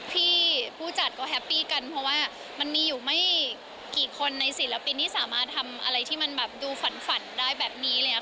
ผู้จัดก็แฮปปี้กันเพราะว่ามันมีอยู่ไม่กี่คนในศิลปินที่สามารถทำอะไรที่มันแบบดูฝันได้แบบนี้เลยค่ะ